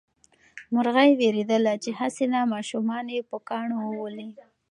مرغۍ وېرېدله چې هسې نه ماشومان یې په کاڼو وولي.